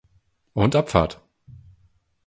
Und Abfahrt!